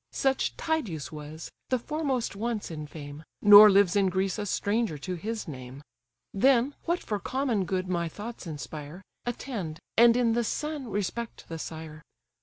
Such Tydeus was, the foremost once in fame! Nor lives in Greece a stranger to his name. Then, what for common good my thoughts inspire, Attend, and in the son respect the sire.